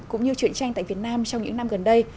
cũng như chuyện tranh tại việt nam trong những năm gần đây